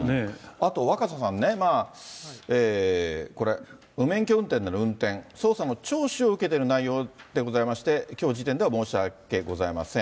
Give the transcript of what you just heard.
あと若狭さんね、これ、無免許運転による運転、捜査の聴取を受けてる内容でございまして、きょう時点では申し訳ございません。